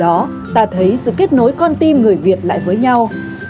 đó ta thấy sự kết nối con tim người việt lại với nhau